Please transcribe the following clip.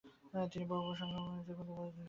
তিনি বহুসংখ্যক বই ও ক্ষুদ্র পুস্তিকা প্রকাশ করেন।